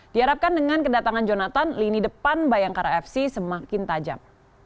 diharapkan dengan kedatangan jonathan lini depan bayangkara fc semakin tajam